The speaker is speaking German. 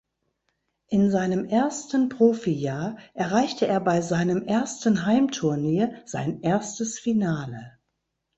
In seinem ersten Profijahr erreichte er bei seinem ersten Heimturnier sein erstes Finale.